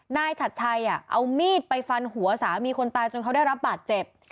ฉัดชัยเอามีดไปฟันหัวสามีคนตายจนเขาได้รับบาดเจ็บ